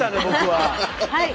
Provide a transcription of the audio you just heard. はい。